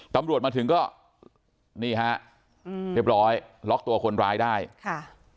ตำรวจมาถึงก็นี่ฮะอืมเรียบร้อยล็อกตัวคนร้ายได้ค่ะ